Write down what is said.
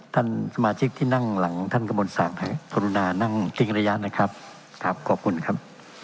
ท่านสมาชิกที่นั่งหลังท่านกระโบรณศักดิ์นะครับครับขอบคุณครับ